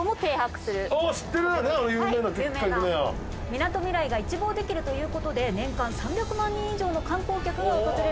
みなとみらいが一望できるという事で年間３００万人以上の観光客が訪れるそうです。